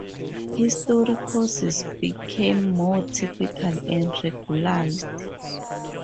History courses became more typical and regularized.